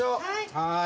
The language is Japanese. はい。